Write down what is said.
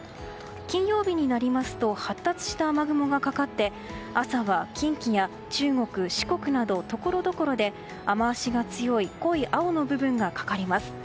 金曜日になりますと発達した雨雲がかかって朝は近畿や中国・四国など、ところどころで雨脚が強い濃い青の部分がかかります。